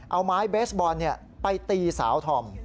เอาไม้เบสบอลไปตีสาวธอม